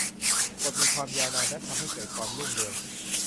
กฏมีความยาวนานและทำให้เกิดความรุ่งเรือง